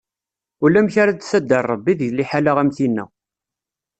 Ulamek ara d-tader Ṛebbi di liḥala am tinna.